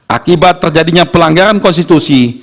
akibat terjadinya pelanggaran konstitusi